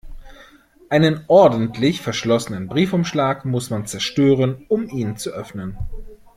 Einen ordentlich verschlossenen Briefumschlag muss man zerstören, um ihn zu öffnen.